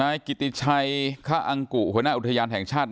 กิติชัยคะอังกุหัวหน้าอุทยานแห่งชาติ